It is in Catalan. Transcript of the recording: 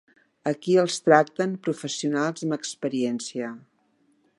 Aquí els tracten professionals amb experiència.